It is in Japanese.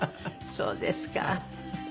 そうですか。